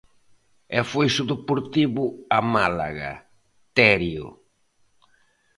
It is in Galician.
E foise o Deportivo a Málaga, Terio.